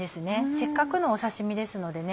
せっかくの刺し身ですのでね